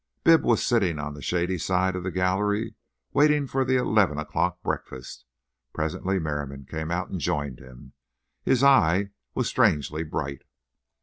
Bibb was sitting on the shady side of the gallery waiting for the eleven o'clock breakfast. Presently Merriam came out and joined him. His eye was strangely bright.